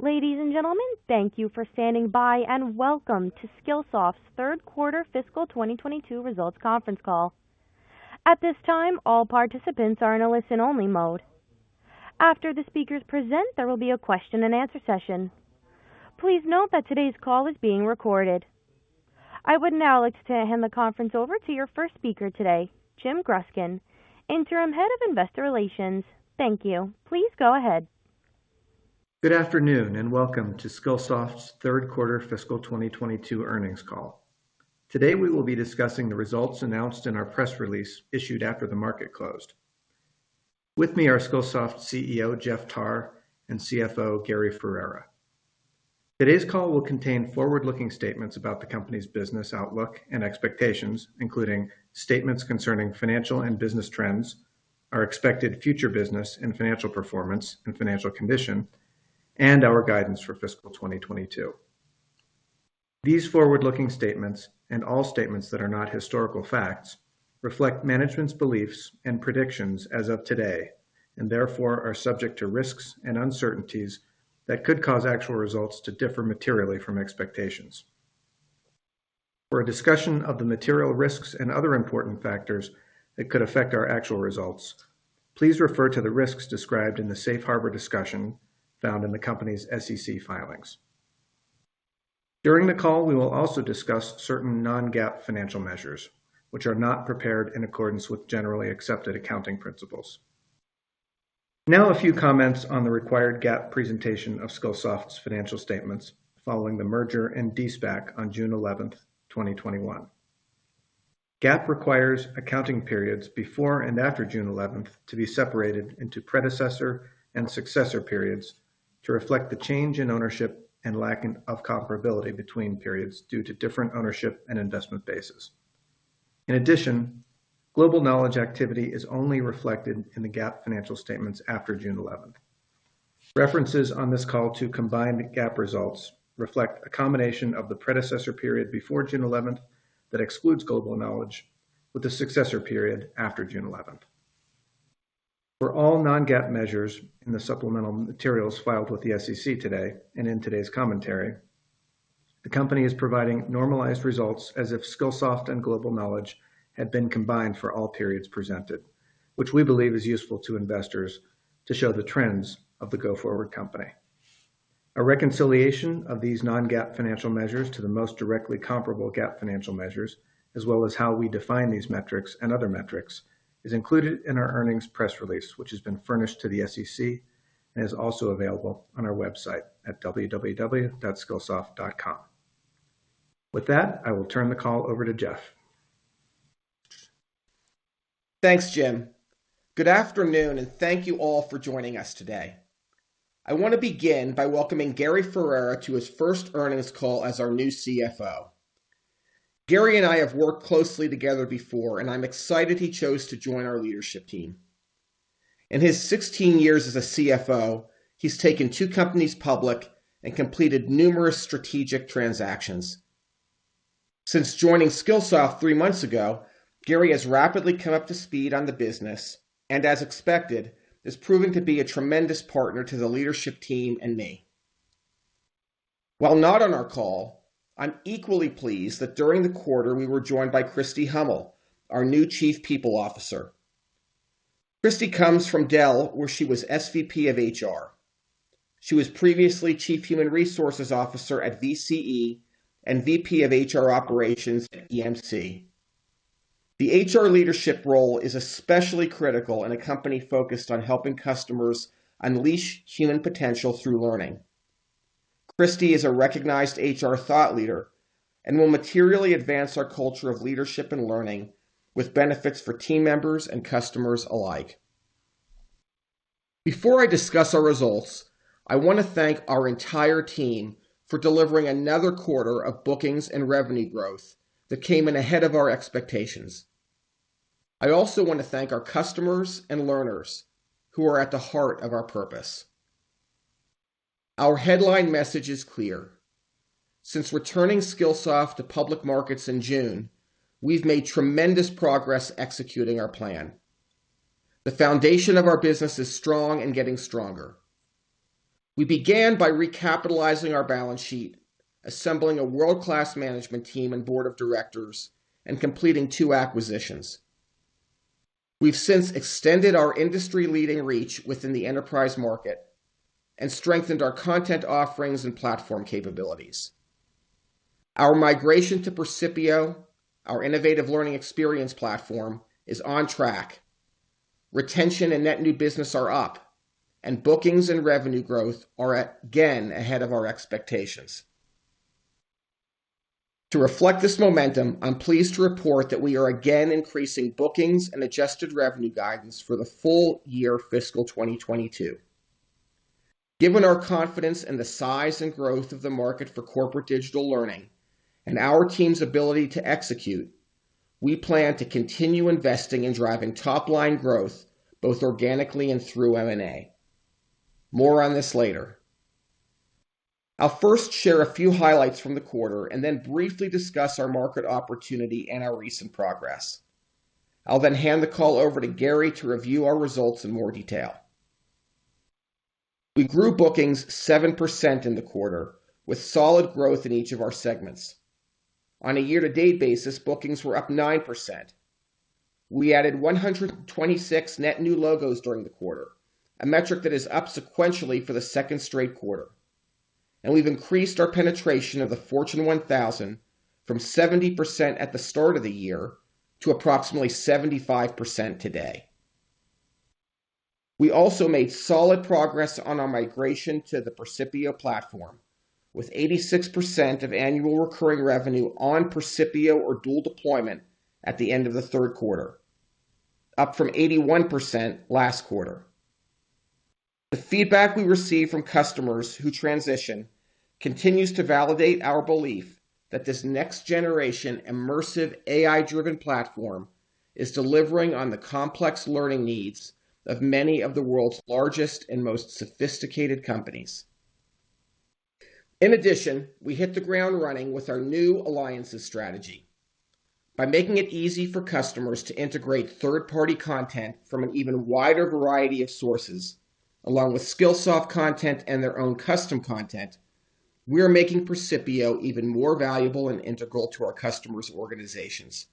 Ladies and gentlemen, thank you for standing by, and welcome to Skillsoft's Q3 fiscal 2022 results conference call. At this time, all participants are in a listen-only mode. After the speakers present, there will be a question and answer session. Please note that today's call is being recorded. I would now like to hand the conference over to your first speaker today, Jim Gruskin, Interim Head of Investor Relations. Thank you. Please go ahead. Good afternoon, and welcome to Skillsoft's Q3 fiscal 2022 earnings call. Today we will be discussing the results announced in our press release issued after the market closed. With me are Skillsoft CEO, Jeff Tarr, and CFO, Gary Ferrera. Today's call will contain forward-looking statements about the company's business outlook and expectations, including statements concerning financial and business trends, our expected future business and financial performance and financial condition, and our guidance for fiscal 2022. These forward-looking statements, and all statements that are not historical facts, reflect management's beliefs and predictions as of today, and therefore are subject to risks and uncertainties that could cause actual results to differ materially from expectations. For a discussion of the material risks and other important factors that could affect our actual results, please refer to the risks described in the safe harbor discussion found in the company's SEC filings. During the call, we will also discuss certain non-GAAP financial measures which are not prepared in accordance with generally accepted accounting principles. Now a few comments on the required GAAP presentation of Skillsoft's financial statements following the merger and de-SPAC on June 11, 2021. GAAP requires accounting periods before and after June 11 to be separated into predecessor and successor periods to reflect the change in ownership and lack of comparability between periods due to different ownership and investment bases. In addition, Global Knowledge activity is only reflected in the GAAP financial statements after June 11. References on this call to combined GAAP results reflect a combination of the predecessor period before June 11 that excludes Global Knowledge with the successor period after June 11. For all non-GAAP measures in the supplemental materials filed with the SEC today and in today's commentary, the company is providing normalized results as if Skillsoft and Global Knowledge had been combined for all periods presented, which we believe is useful to investors to show the trends of the go-forward company. A reconciliation of these non-GAAP financial measures to the most directly comparable GAAP financial measures, as well as how we define these metrics and other metrics, is included in our earnings press release, which has been furnished to the SEC and is also available on our website at www.skillsoft.com. With that, I will turn the call over to Jeff. Thanks, Jim. Good afternoon, and thank you all for joining us today. I want to begin by welcoming Gary Ferrera to his first earnings call as our new CFO. Gary and I have worked closely together before, and I'm excited he chose to join our leadership team. In his 16 years as a CFO, he's taken 2 companies public and completed numerous strategic transactions. Since joining Skillsoft 3 months ago, Gary has rapidly come up to speed on the business and, as expected, has proven to be a tremendous partner to the leadership team and me. While not on our call, I'm equally pleased that during the quarter we were joined by Kristi Hummel, our new Chief People Officer. Kristi comes from Dell, where she was SVP of HR. She was previously Chief Human Resources Officer at VCE and VP of HR operations at EMC. The HR leadership role is especially critical in a company focused on helping customers unleash human potential through learning. Kristi is a recognized HR thought leader and will materially advance our culture of leadership and learning with benefits for team members and customers alike. Before I discuss our results, I want to thank our entire team for delivering another quarter of bookings and revenue growth that came in ahead of our expectations. I also want to thank our customers and learners who are at the heart of our purpose. Our headline message is clear. Since returning Skillsoft to public markets in June, we've made tremendous progress executing our plan. The foundation of our business is strong and getting stronger. We began by recapitalizing our balance sheet, assembling a world-class management team and board of directors, and completing two acquisitions. We've since extended our industry-leading reach within the enterprise market and strengthened our content offerings and platform capabilities. Our migration to Percipio, our innovative learning experience platform, is on track. Retention and net new business are up, and bookings and revenue growth are again ahead of our expectations. To reflect this momentum, I'm pleased to report that we are again increasing bookings and adjusted revenue guidance for the full year fiscal 2022. Given our confidence in the size and growth of the market for corporate digital learning and our team's ability to execute, we plan to continue investing in driving top-line growth both organically and through M&A. More on this later. I'll first share a few highlights from the quarter and then briefly discuss our market opportunity and our recent progress. I'll then hand the call over to Gary to review our results in more detail. We grew bookings 7% in the quarter with solid growth in each of our segments. On a year-to-date basis, bookings were up 9%. We added 126 net new logos during the quarter, a metric that is up sequentially for the second straight quarter. We've increased our penetration of the Fortune 1000 from 70% at the start of the year to approximately 75% today. We also made solid progress on our migration to the Percipio platform, with 86% of annual recurring revenue on Percipio or dual deployment at the end of the Q3, up from 81% last quarter. The feedback we receive from customers who transition continues to validate our belief that this next generation immersive AI-driven platform is delivering on the complex learning needs of many of the world's largest and most sophisticated companies. In addition, we hit the ground running with our new alliances strategy. By making it easy for customers to integrate third-party content from an even wider variety of sources, along with Skillsoft content and their own custom content, we are making Percipio even more valuable and integral to our customers' organizations.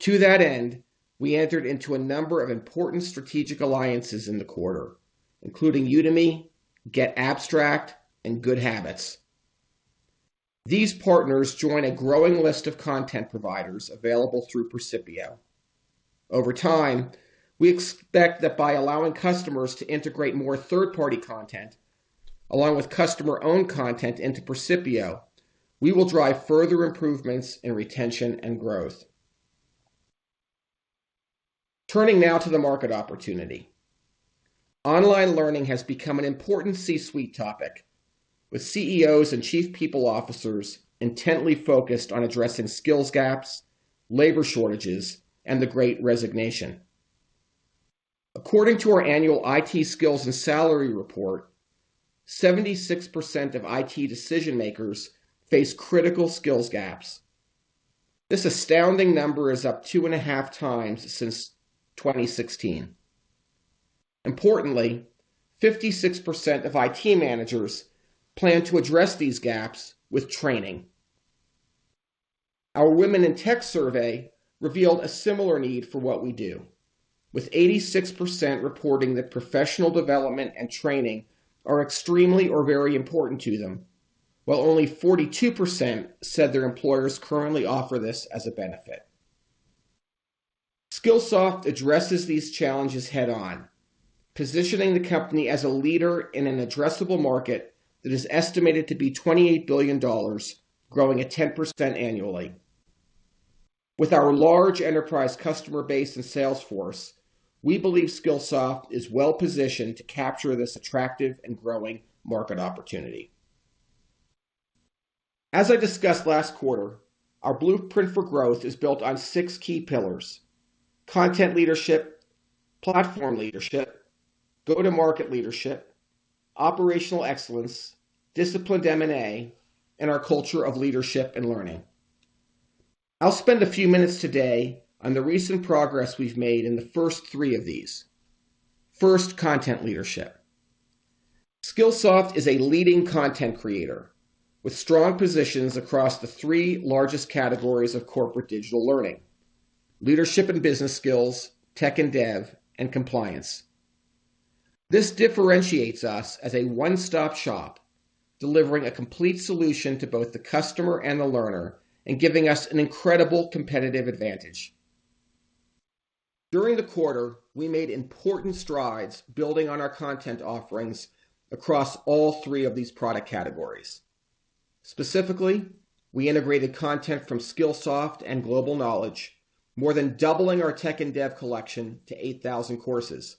To that end, we entered into a number of important strategic alliances in the quarter, including Udemy, getAbstract, and GoodHabitz. These partners join a growing list of content providers available through Percipio. Over time, we expect that by allowing customers to integrate more third-party content along with customer-owned content into Percipio, we will drive further improvements in retention and growth. Turning now to the market opportunity. Online learning has become an important C-suite topic, with CEOs and chief people officers intently focused on addressing skills gaps, labor shortages, and the Great Resignation. According to our annual IT Skills and Salary Report, 76% of IT decision-makers face critical skills gaps. This astounding number is up 2.5 times since 2016. Importantly, 56% of IT managers plan to address these gaps with training. Our Women in Tech survey revealed a similar need for what we do, with 86% reporting that professional development and training are extremely or very important to them, while only 42% said their employers currently offer this as a benefit. Skillsoft addresses these challenges head-on, positioning the company as a leader in an addressable market that is estimated to be $28 billion, growing at 10% annually. With our large enterprise customer base and sales force, we believe Skillsoft is well-positioned to capture this attractive and growing market opportunity. As I discussed last quarter, our blueprint for growth is built on six key pillars, content leadership, platform leadership, go-to-market leadership, operational excellence, disciplined M&A, and our culture of leadership and learning. I'll spend a few minutes today on the recent progress we've made in the first three of these. First, content leadership. Skillsoft is a leading content creator with strong positions across the three largest categories of corporate digital learning, leadership and business skills, tech and dev, and compliance. This differentiates us as a one-stop shop, delivering a complete solution to both the customer and the learner and giving us an incredible competitive advantage. During the quarter, we made important strides building on our content offerings across all three of these product categories. Specifically, we integrated content from Skillsoft and Global Knowledge, more than doubling our tech and dev collection to 8,000 courses.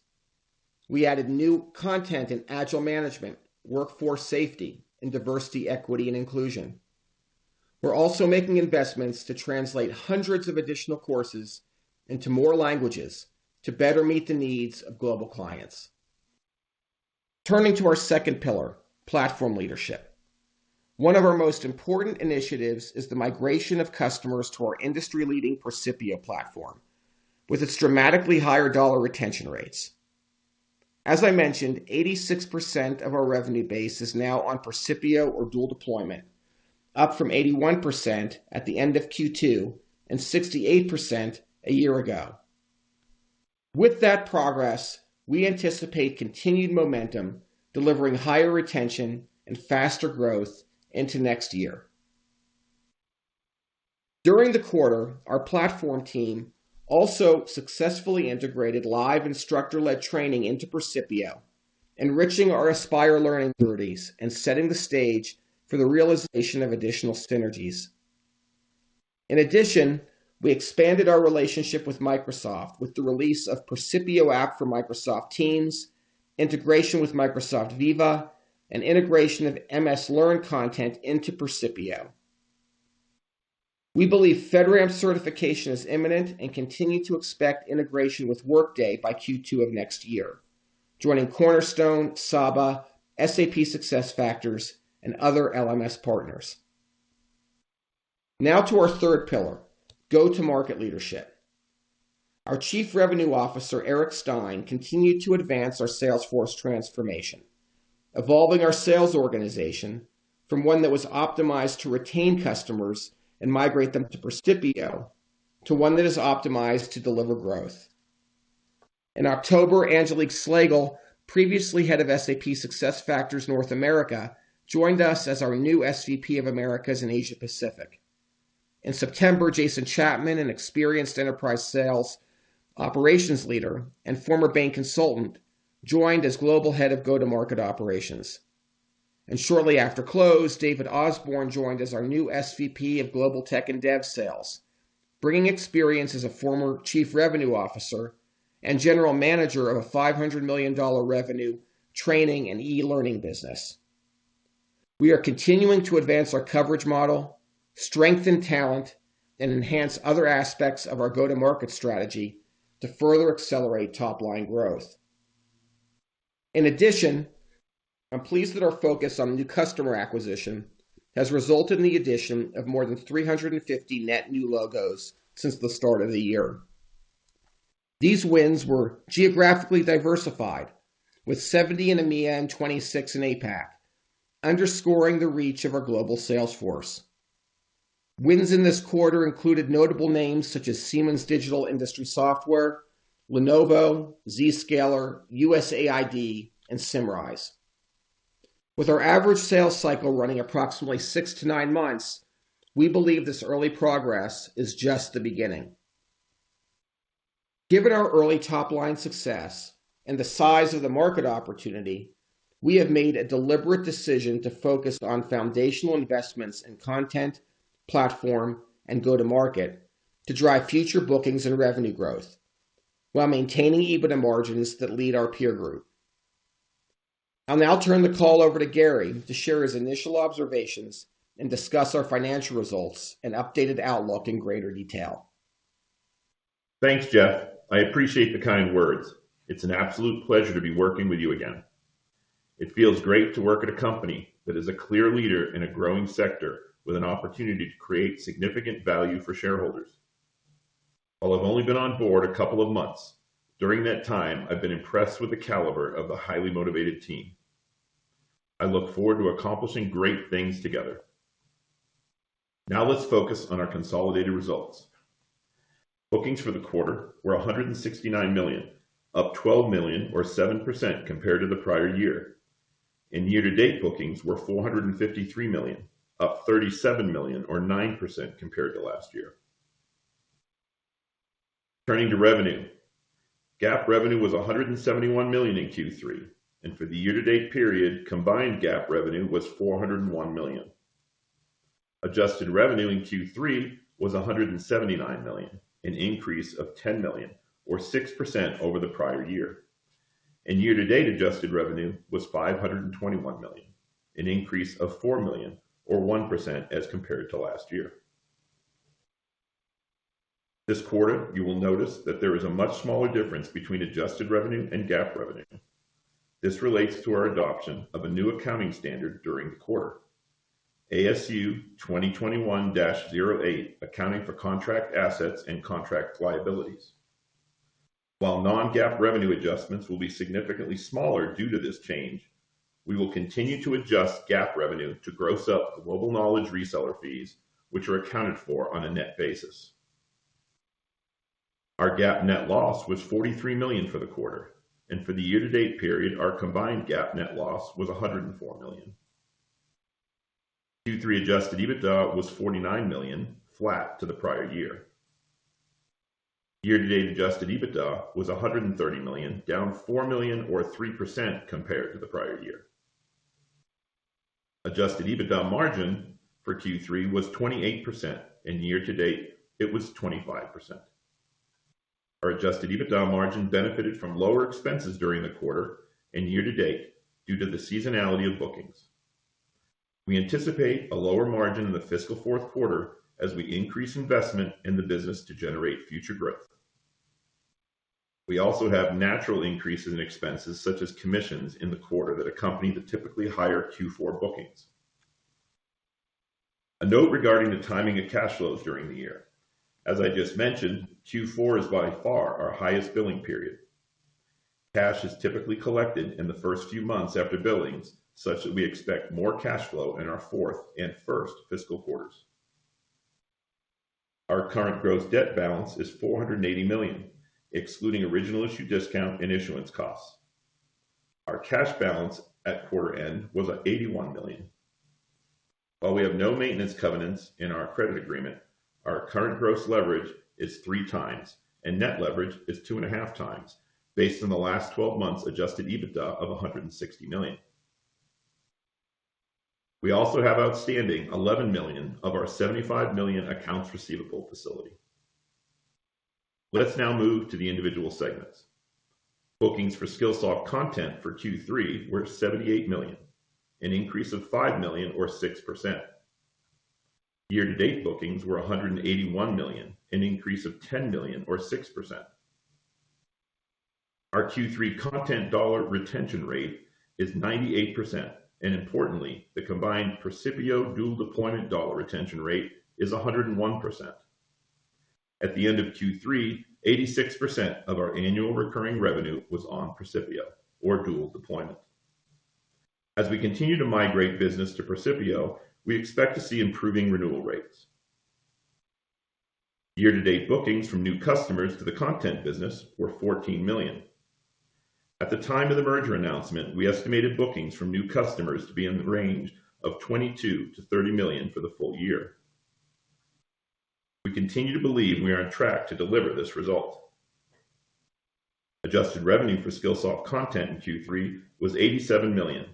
We added new content in agile management, workforce safety, and diversity, equity, and inclusion. We're also making investments to translate hundreds of additional courses into more languages to better meet the needs of global clients. Turning to our second pillar, platform leadership. One of our most important initiatives is the migration of customers to our industry-leading Percipio platform with its dramatically higher dollar retention rates. As I mentioned, 86% of our revenue base is now on Percipio or dual deployment, up from 81% at the end of Q2 and 68% a year ago. With that progress, we anticipate continued momentum, delivering higher retention and faster growth into next year. During the quarter, our platform team also successfully integrated live instructor-led training into Percipio, enriching our Aspire learning authorities and setting the stage for the realization of additional synergies. In addition, we expanded our relationship with Microsoft with the release of Percipio app for Microsoft Teams, integration with Microsoft Viva, and integration of Microsoft Learn content into Percipio. We believe FedRAMP certification is imminent and continue to expect integration with Workday by Q2 of next year, joining Cornerstone, Saba, SAP SuccessFactors, and other LMS partners. Now to our third pillar, go-to-market leadership. Our Chief Revenue Officer, Eric Stine, continued to advance our sales force transformation, evolving our sales organization from one that was optimized to retain customers and migrate them to Percipio, to one that is optimized to deliver growth. In October, Angelique Slagle, previously head of SAP SuccessFactors North America, joined us as our new SVP of Americas and Asia Pacific. In September, Jason Chapman, an experienced enterprise sales operations leader and former Bain consultant, joined as Global Head of Go-to-Market Operations. Shortly after close, David Osborne joined as our new SVP of Global Tech and Dev Sales, bringing experience as a former Chief Revenue Officer and General Manager of a $500 million revenue training and e-learning business. We are continuing to advance our coverage model, strengthen talent, and enhance other aspects of our go-to-market strategy to further accelerate top-line growth. In addition, I'm pleased that our focus on new customer acquisition has resulted in the addition of more than 350 net new logos since the start of the year. These wins were geographically diversified, with 70 in EMEA and 26 in APAC, underscoring the reach of our global sales force. Wins in this quarter included notable names such as Siemens Digital Industries Software, Lenovo, Zscaler, USAID, and Symrise. With our average sales cycle running approximately 6-9 months, we believe this early progress is just the beginning. Given our early top-line success and the size of the market opportunity, we have made a deliberate decision to focus on foundational investments in content, platform, and go-to-market to drive future bookings and revenue growth while maintaining EBITDA margins that lead our peer group. I'll now turn the call over to Gary to share his initial observations and discuss our financial results and updated outlook in greater detail. Thanks, Jeff. I appreciate the kind words. It's an absolute pleasure to be working with you again. It feels great to work at a company that is a clear leader in a growing sector with an opportunity to create significant value for shareholders. While I've only been on board a couple of months, during that time, I've been impressed with the caliber of the highly motivated team. I look forward to accomplishing great things together. Now let's focus on our consolidated results. Bookings for the quarter were $169 million, up $12 million or 7% compared to the prior year. Year-to-date bookings were $453 million, up $37 million or 9% compared to last year. Turning to revenue. GAAP revenue was $171 million in Q3, and for the year-to-date period, combined GAAP revenue was $401 million. Adjusted revenue in Q3 was $179 million, an increase of $10 million or 6% over the prior year. Year-to-date adjusted revenue was $521 million, an increase of $4 million or 1% as compared to last year. This quarter, you will notice that there is a much smaller difference between adjusted revenue and GAAP revenue. This relates to our adoption of a new accounting standard during the quarter, ASU 2021-08, Accounting for Contract Assets and Contract Liabilities. While non-GAAP revenue adjustments will be significantly smaller due to this change, we will continue to adjust GAAP revenue to gross up Global Knowledge reseller fees, which are accounted for on a net basis. Our GAAP net loss was $43 million for the quarter, and for the year-to-date period, our combined GAAP net loss was $104 million. Q3 adjusted EBITDA was $49 million, flat to the prior year. Year-to-date adjusted EBITDA was $130 million, down $4 million or 3% compared to the prior year. Adjusted EBITDA margin for Q3 was 28%, and year-to-date it was 25%. Our adjusted EBITDA margin benefited from lower expenses during the quarter and year-to-date due to the seasonality of bookings. We anticipate a lower margin in the fiscal Q4 as we increase investment in the business to generate future growth. We also have natural increases in expenses such as commissions in the quarter that accompany the typically higher Q4 bookings. A note regarding the timing of cash flows during the year. As I just mentioned, Q4 is by far our highest billing period. Cash is typically collected in the first few months after billings, such that we expect more cash flow in our fourth and first fiscal quarters. Our current gross debt balance is $480 million, excluding original issue discount and issuance costs. Our cash balance at quarter end was $81 million. While we have no maintenance covenants in our credit agreement, our current gross leverage is 3x, and net leverage is 2.5x based on the last twelve months adjusted EBITDA of $160 million. We also have outstanding $11 million of our $75 million accounts receivable facility. Let's now move to the individual segments. Bookings for Skillsoft Content for Q3 were $78 million, an increase of $5 million or 6%. Year-to-date bookings were $181 million, an increase of $10 million or 6%. Our Q3 content dollar retention rate is 98%, and importantly, the combined Percipio dual deployment dollar retention rate is 101%. At the end of Q3, 86% of our annual recurring revenue was on Percipio or dual deployment. As we continue to migrate business to Percipio, we expect to see improving renewal rates. Year-to-date bookings from new customers to the content business were $14 million. At the time of the merger announcement, we estimated bookings from new customers to be in the range of $22 million-$30 million for the full year. We continue to believe we are on track to deliver this result. Adjusted revenue for Skillsoft Content in Q3 was $87 million,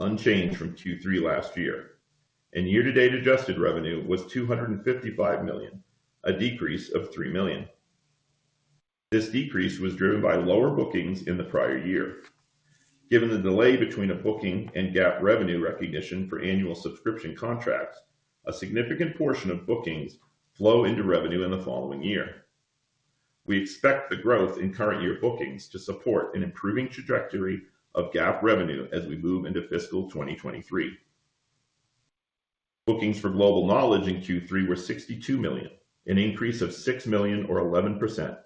unchanged from Q3 last year. Year-to-date adjusted revenue was $255 million, a decrease of $3 million. This decrease was driven by lower bookings in the prior year. Given the delay between a booking and GAAP revenue recognition for annual subscription contracts, a significant portion of bookings flow into revenue in the following year. We expect the growth in current year bookings to support an improving trajectory of GAAP revenue as we move into fiscal 2023. Bookings for Global Knowledge in Q3 were $62 million, an increase of $6 million or 11%.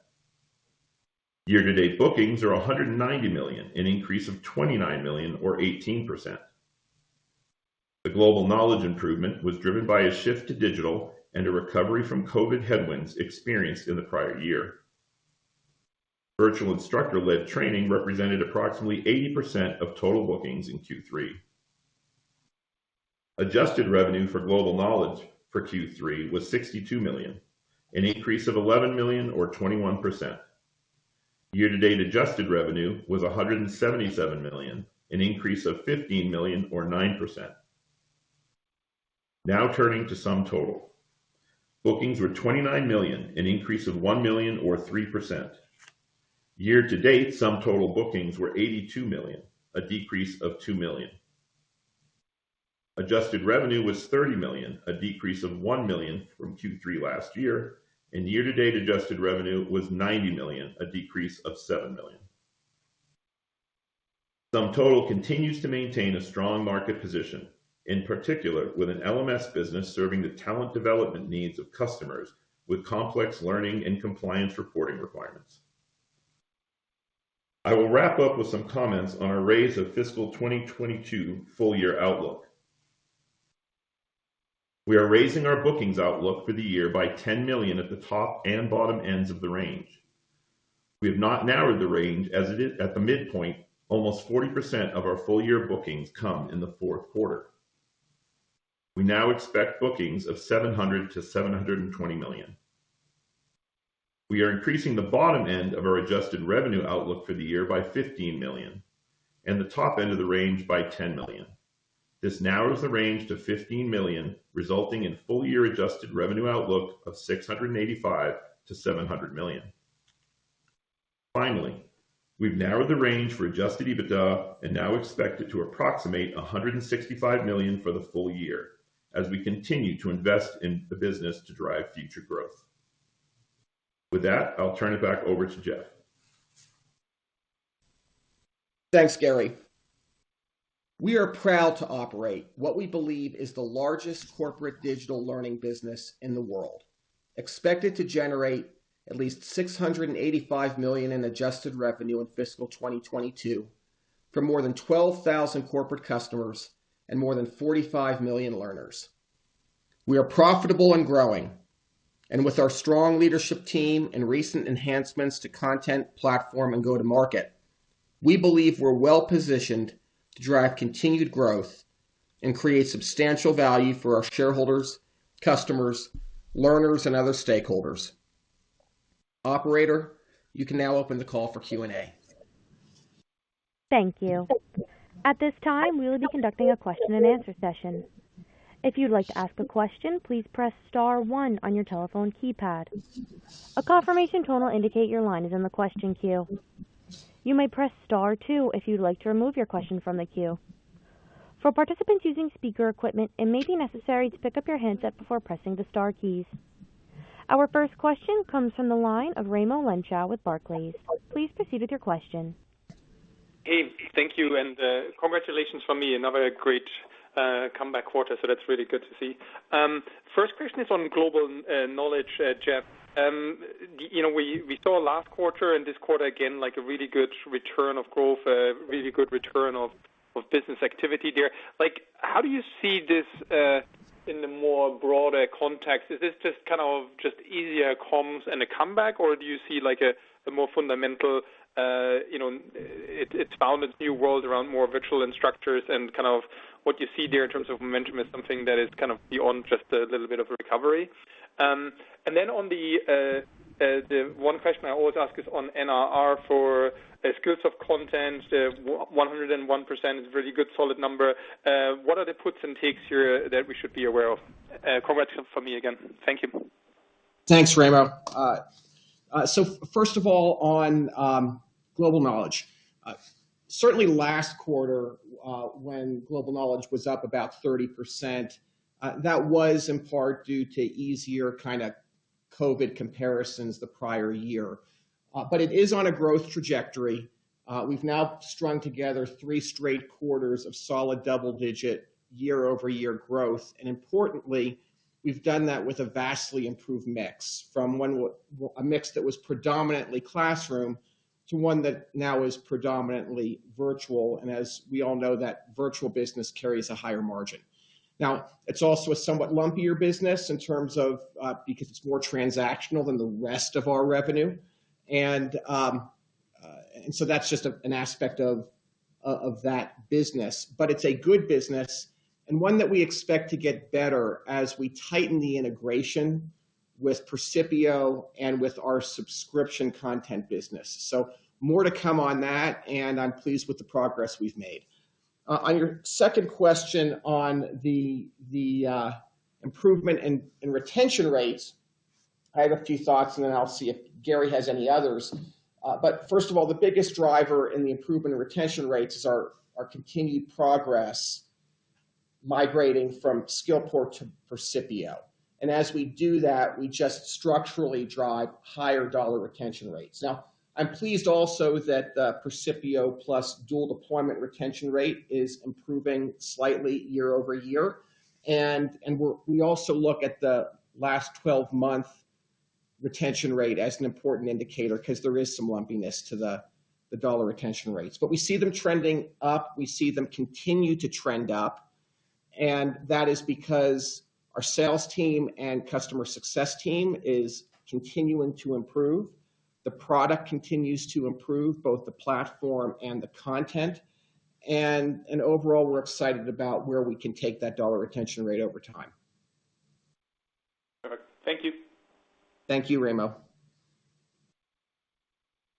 Year-to-date bookings are $190 million, an increase of $29 million or 18%. The Global Knowledge improvement was driven by a shift to digital and a recovery from COVID headwinds experienced in the prior year. Virtual instructor-led training represented approximately 80% of total bookings in Q3. Adjusted revenue for Global Knowledge for Q3 was $62 million, an increase of $11 million or 21%. Year-to-date adjusted revenue was $177 million, an increase of $15 million or 9%. Now turning to SumTotal. Bookings were $29 million, an increase of $1 million or 3%. Year-to-date SumTotal bookings were $82 million, a decrease of $2 million. Adjusted revenue was $30 million, a decrease of $1 million from Q3 last year, and year-to-date adjusted revenue was $90 million, a decrease of $7 million. SumTotal continues to maintain a strong market position, in particular, with an LMS business serving the talent development needs of customers with complex learning and compliance reporting requirements. I will wrap up with some comments on our raise of fiscal 2022 full year outlook. We are raising our bookings outlook for the year by $10 million at the top and bottom ends of the range. We have not narrowed the range as it is at the midpoint. Almost 40% of our full year bookings come in the Q4. We now expect bookings of $700 million-$720 million. We are increasing the bottom end of our adjusted revenue outlook for the year by $15 million and the top end of the range by $10 million. This narrows the range to $15 million, resulting in full year adjusted revenue outlook of $685 million-$700 million. Finally, we've narrowed the range for adjusted EBITDA and now expect it to approximate $165 million for the full year as we continue to invest in the business to drive future growth. With that, I'll turn it back over to Jeff. Thanks, Gary. We are proud to operate what we believe is the largest corporate digital learning business in the world, expected to generate at least $685 million in adjusted revenue in fiscal 2022 from more than 12,000 corporate customers and more than 45 million learners. We are profitable and growing. With our strong leadership team and recent enhancements to content platform and go-to-market, we believe we're well-positioned to drive continued growth and create substantial value for our shareholders, customers, learners, and other stakeholders. Operator, you can now open the call for Q&A. Thank you. At this time, we will be conducting a question and answer session. If you'd like to ask a question, please press star one on your telephone keypad. A confirmation tone will indicate your line is in the question queue. You may press star two if you'd like to remove your question from the queue. For participants using speaker equipment, it may be necessary to pick up your handset before pressing the star keys. Our first question comes from the line of Raimo Lenschow with Barclays. Please proceed with your question. Hey, thank you and, congratulations from me. Another great, comeback quarter. That's really good to see. First question is on Global Knowledge, Jeff. You know, we saw last quarter and this quarter again, like a really good return of growth, really good return of business activity there. Like, how do you see this, in the more broader context? Is this just kind of just easier comps and a comeback, or do you see like a more fundamental, you know, it's found a new world around more virtual instructors and kind of what you see there in terms of momentum is something that is kind of beyond just a little bit of a recovery. The one question I always ask is on NRR for Skillsoft Content. 101% is a really good solid number. What are the puts and takes here that we should be aware of? Congrats from me again. Thank you. Thanks, Raimo. So first of all, on Global Knowledge. Certainly last quarter, when Global Knowledge was up about 30%, that was in part due to easier kinda COVID comparisons the prior year. But it is on a growth trajectory. We've now strung together three straight quarters of solid double-digit year-over-year growth. Importantly, we've done that with a vastly improved mix from a mix that was predominantly classroom to one that now is predominantly virtual. As we all know, that virtual business carries a higher margin. Now, it's also a somewhat lumpier business in terms of, because it's more transactional than the rest of our revenue. So that's just an aspect of that business. It's a good business and one that we expect to get better as we tighten the integration with Percipio and with our subscription content business. More to come on that, and I'm pleased with the progress we've made. On your second question on the improvement in retention rates, I have a few thoughts, and then I'll see if Gary has any others. First of all, the biggest driver in the improvement in retention rates is our continued progress migrating from Skillport to Percipio. As we do that, we just structurally drive higher dollar retention rates. Now, I'm pleased also that Percipio plus dual deployment retention rate is improving slightly year-over-year. We also look at the last 12-month retention rate as an important indicator 'cause there is some lumpiness to the dollar retention rates. We see them trending up. We see them continue to trend up. That is because our sales team and customer success team is continuing to improve. The product continues to improve both the platform and the content. Overall, we're excited about where we can take that dollar retention rate over time. Perfect. Thank you. Thank you, Raimo.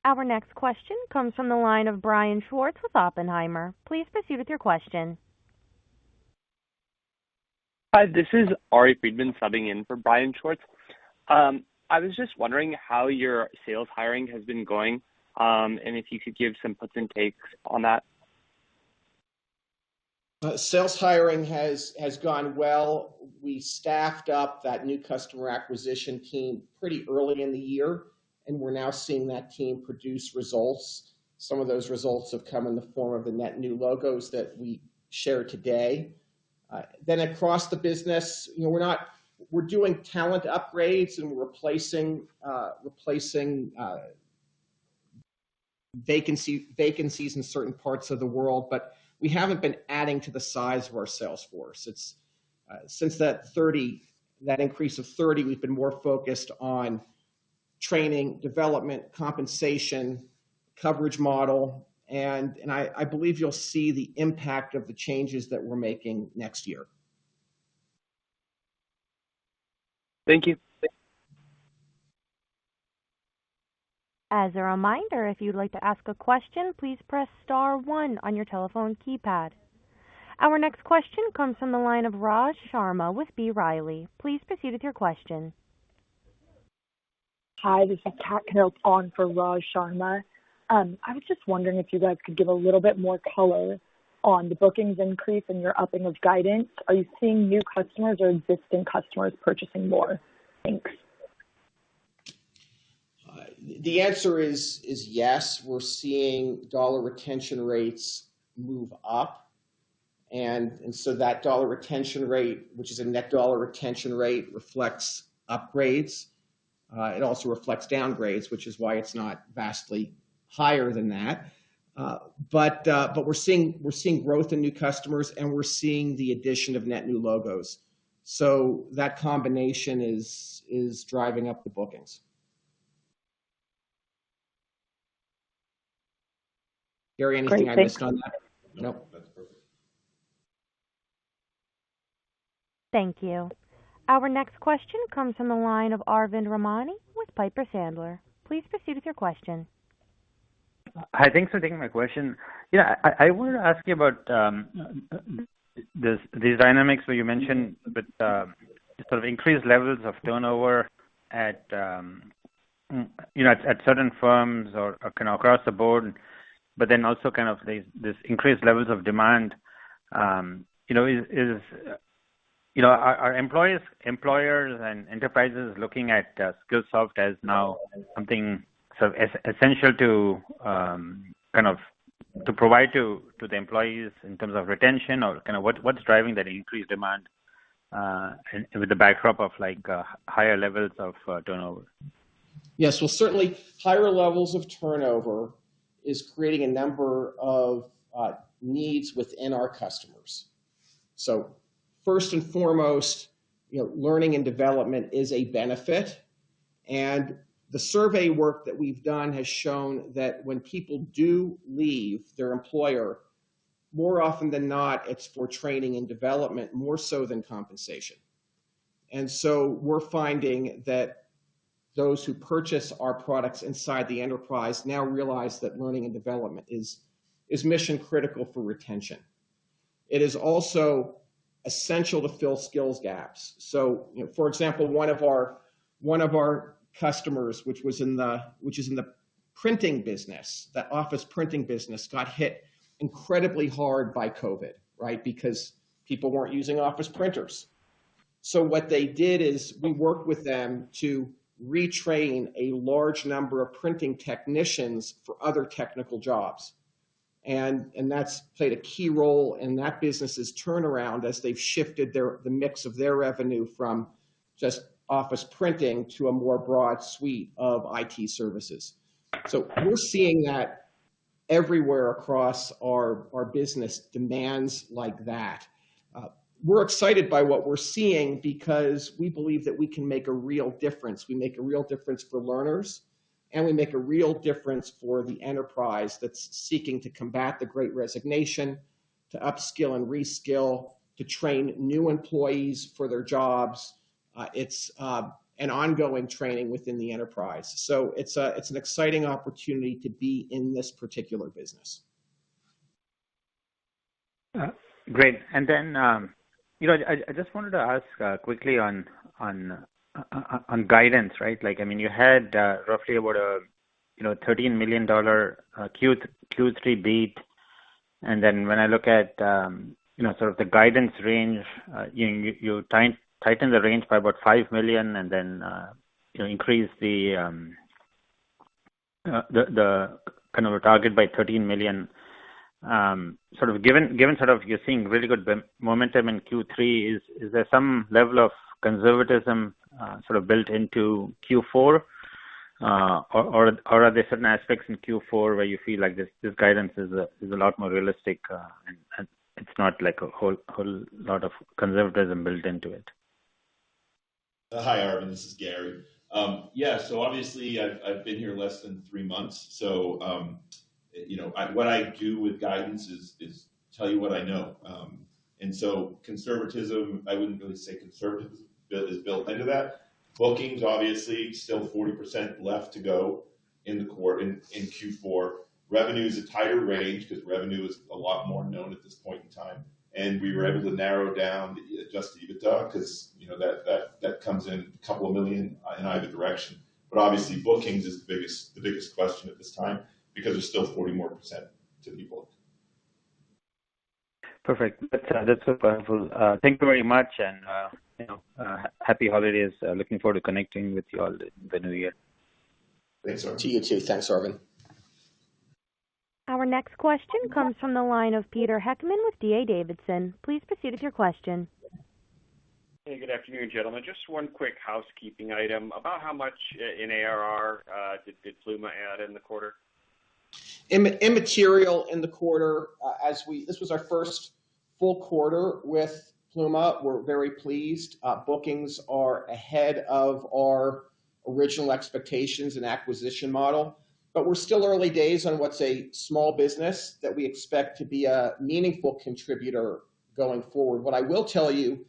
Our next question comes from the line of Brian Schwartz with Oppenheimer. Please proceed with your question. Hi, this is Ari Friedman subbing in for Brian Schwartz. I was just wondering how your sales hiring has been going, and if you could give some puts and takes on that. Sales hiring has gone well. We staffed up that new customer acquisition team pretty early in the year, and we're now seeing that team produce results. Some of those results have come in the form of the net new logos that we shared today. Across the business, you know, we're doing talent upgrades, and we're replacing vacancies in certain parts of the world, but we haven't been adding to the size of our sales force. It's since that increase of 30, we've been more focused on training, development, compensation, coverage model, and I believe you'll see the impact of the changes that we're making next year. Thank you. As a reminder, if you'd like to ask a question, please press star one on your telephone keypad. Our next question comes from the line of Raj Sharma with B. Riley. Please proceed with your question. Hi, this is Katherine Knop on for Raj Sharma. I was just wondering if you guys could give a little bit more color on the bookings increase and your upping of guidance. Are you seeing new customers or existing customers purchasing more? Thanks. The answer is yes. We're seeing dollar retention rates move up. That dollar retention rate, which is a net dollar retention rate, reflects upgrades. It also reflects downgrades, which is why it's not vastly higher than that. We're seeing growth in new customers, and we're seeing the addition of net new logos. That combination is driving up the bookings. Gary, anything I missed on that? Great. Thank you. That's perfect. Thank you. Our next question comes from the line of Arvind Ramnani with Piper Sandler. Please proceed with your question. Hi, thanks for taking my question. Yeah. I wanted to ask you about the dynamics where you mentioned, but sort of increased levels of turnover, you know, at certain firms or kinda across the board, but then also kind of this increased levels of demand, you know, are employees, employers and enterprises looking at Skillsoft as now something so essential to kind of provide to the employees in terms of retention or kinda what's driving that increased demand, and with the backdrop of like higher levels of turnover? Yes. Well, certainly higher levels of turnover is creating a number of needs within our customers. First and foremost, you know, learning and development is a benefit. The survey work that we've done has shown that when people do leave their employer, more often than not, it's for training and development, more so than compensation. We're finding that those who purchase our products inside the enterprise now realize that learning and development is mission-critical for retention. It is also essential to fill skills gaps. You know, for example, one of our customers, which is in the printing business, the office printing business, got hit incredibly hard by COVID. Because people weren't using office printers. What they did is we worked with them to retrain a large number of printing technicians for other technical jobs. That's played a key role in that business' turnaround as they've shifted the mix of their revenue from just office printing to a more broad suite of IT services. We're seeing that everywhere across our business demands like that. We're excited by what we're seeing because we believe that we can make a real difference. We make a real difference for learners, and we make a real difference for the enterprise that's seeking to combat the great resignation, to upskill and reskill, to train new employees for their jobs. It's an ongoing training within the enterprise. It's an exciting opportunity to be in this particular business. Great. Then, you know, I just wanted to ask quickly on guidance, right? Like, I mean, you had roughly about a, you know, $13 million Q3 beat. Then when I look at, you know, sort of the guidance range, you tighten the range by about $5 million and then you increase the kind of a target by $13 million. Sort of given you're seeing really good momentum in Q3, is there some level of conservatism built into Q4? Or are there certain aspects in Q4 where you feel like this guidance is a lot more realistic, and it's not like a whole lot of conservatism built into it? Hi, Arvind. This is Gary. Obviously I've been here less than three months, so you know, what I do with guidance is tell you what I know. Conservatism, I wouldn't really say conservatism is built into that. Bookings obviously still 40% left to go in the quarter, in Q4. Revenue is a tighter range because revenue is a lot more known at this point in time, and we were able to narrow down the adjusted EBITDA 'cause, you know, that comes in a couple of million in either direction. Obviously, bookings is the biggest question at this time because there's still 40% more to be booked. Perfect. That's so powerful. Thank you very much and, you know, happy holidays. Looking forward to connecting with you all in the new year. Thanks, Arvind. To you, too. Thanks, Arvind. Our next question comes from the line of Peter Heckmann with D.A. Davidson. Please proceed with your question. Hey, good afternoon, gentlemen. Just one quick housekeeping item. About how much in ARR did Pluma add in the quarter? Immaterial in the quarter. This was our first full quarter with Pluma. We're very pleased. Bookings are ahead of our original expectations and acquisition model. We're still early days on what's a small business that we expect to be a meaningful contributor going forward. What I will tell you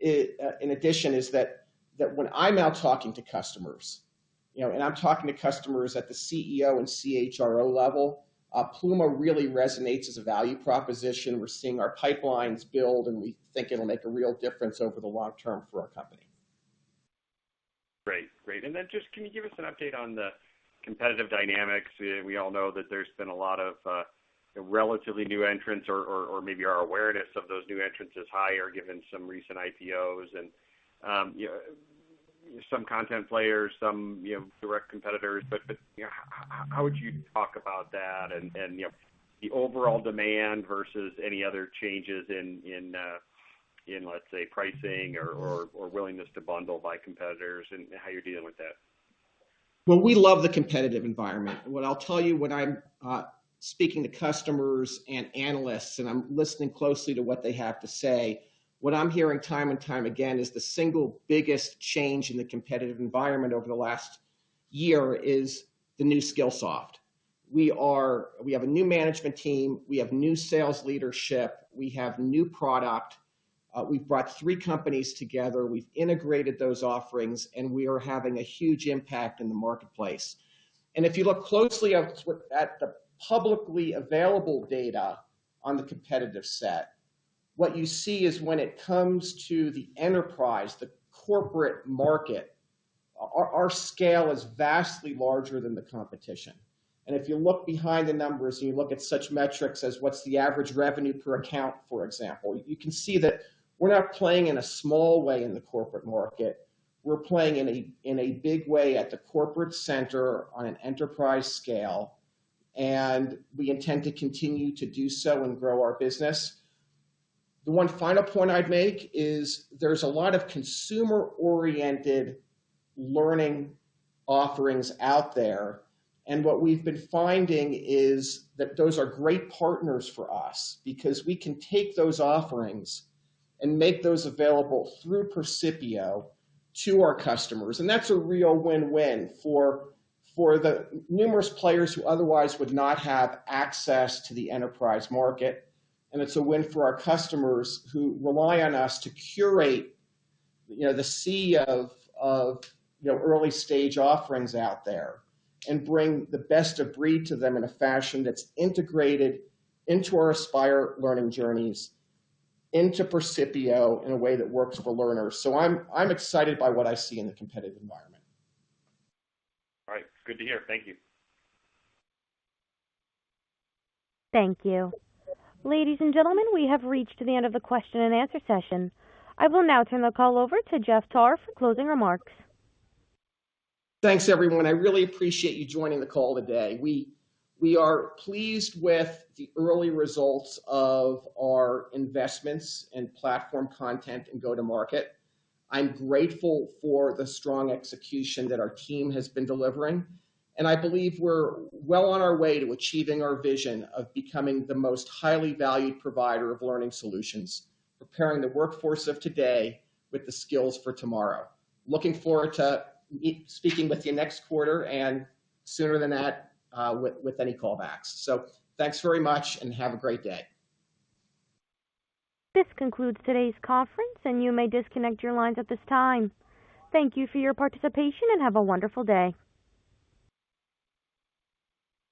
in addition is that when I'm out talking to customers, you know, and I'm talking to customers at the CEO and CHRO level, Pluma really resonates as a value proposition. We're seeing our pipelines build, and we think it'll make a real difference over the long term for our company. Great. Just can you give us an update on the competitive dynamics? We all know that there's been a lot of relatively new entrants or maybe our awareness of those new entrants is higher given some recent IPOs and some content players, some you know direct competitors. You know how would you talk about that and you know the overall demand versus any other changes in let's say pricing or willingness to bundle by competitors and how you're dealing with that? Well, we love the competitive environment. What I'll tell you when I'm speaking to customers and analysts, and I'm listening closely to what they have to say, what I'm hearing time and time again is the single biggest change in the competitive environment over the last year is the new Skillsoft. We have a new management team. We have new sales leadership. We have new product. We've brought three companies together. We've integrated those offerings, and we are having a huge impact in the marketplace. If you look closely at the publicly available data on the competitive set, what you see is when it comes to the enterprise, the corporate market, our scale is vastly larger than the competition. If you look behind the numbers and you look at such metrics as what's the average revenue per account, for example, you can see that we're not playing in a small way in the corporate market. We're playing in a big way at the corporate center on an enterprise scale, and we intend to continue to do so and grow our business. The one final point I'd make is there's a lot of consumer-oriented learning offerings out there. What we've been finding is that those are great partners for us because we can take those offerings and make those available through Percipio to our customers. That's a real win-win for the numerous players who otherwise would not have access to the enterprise market. It's a win for our customers who rely on us to curate, you know, the sea of you know, early-stage offerings out there and bring the best of breed to them in a fashion that's integrated into our Aspire Journeys, into Percipio in a way that works for learners. I'm excited by what I see in the competitive environment. All right. Good to hear. Thank you. Thank you. Ladies and gentlemen, we have reached the end of the question and answer session. I will now turn the call over to Jeff Tarr for closing remarks. Thanks, everyone. I really appreciate you joining the call today. We are pleased with the early results of our investments in platform content and go-to-market. I'm grateful for the strong execution that our team has been delivering, and I believe we're well on our way to achieving our vision of becoming the most highly valued provider of learning solutions, preparing the workforce of today with the skills for tomorrow. Looking forward to speaking with you next quarter and sooner than that, with any callbacks. Thanks very much and have a great day. This concludes today's conference, and you may disconnect your lines at this time. Thank you for your participation, and have a wonderful day.